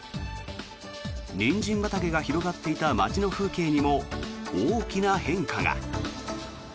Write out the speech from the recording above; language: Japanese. ニンジン畑が広がっていた町の風景にも大きな変化が。